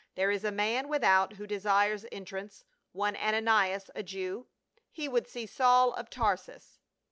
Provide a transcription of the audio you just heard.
"There is a man without who desires entrance, one Ananias, a Jew. He would see Saul of Tarsus."